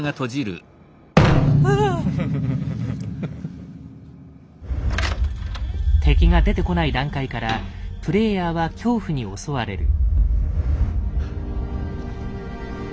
あぁっ！敵が出てこない段階からプレイヤーは恐怖に襲われる。